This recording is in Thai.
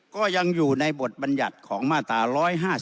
ก็ยังอยู่ในบทบัญญัติของมาตรา๑๕๒